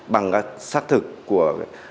bằng các xác thực của